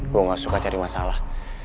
gue gak suka cari masalah